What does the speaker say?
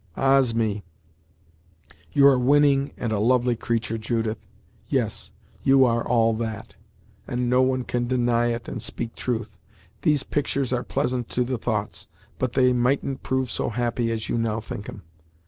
"Ah's me! you're a winning and a lovely creatur', Judith; yes, you are all that, and no one can deny it and speak truth. These pictur's are pleasant to the thoughts, but they mightn't prove so happy as you now think 'em.